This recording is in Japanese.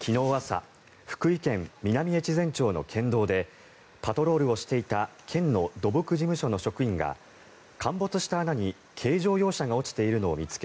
昨日朝福井県南越前町の県道でパトロールをしていた県の土木事務所の職員が陥没した穴に軽乗用車が落ちているのを見つけ